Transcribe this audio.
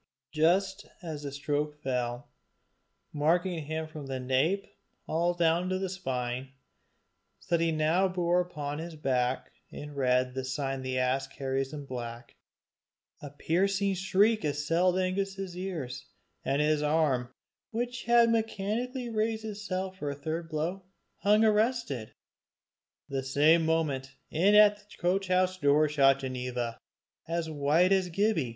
Just as the stroke fell, marking him from the nape all down the spine, so that he now bore upon his back in red the sign the ass carries in black, a piercing shriek assailed Angus's ears, and his arm, which had mechanically raised itself for a third blow, hung arrested. The same moment, in at the coach house door shot Ginevra, as white as Gibbie.